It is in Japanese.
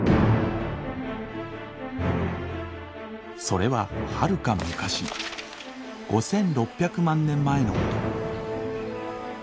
それははるか昔５，６００万年前のこと。